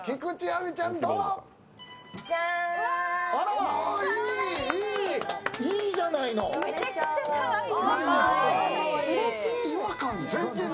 めちゃくちゃかわいい。